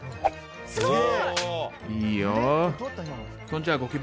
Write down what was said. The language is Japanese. すごい！